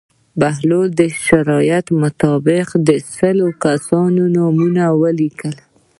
بهلول د شرط مطابق د سلو کسانو نومونه ولیکل.